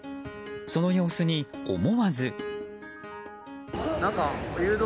その様子に思わず。